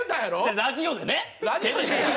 ラジオでね！